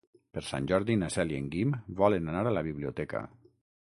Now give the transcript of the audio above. Per Sant Jordi na Cel i en Guim volen anar a la biblioteca.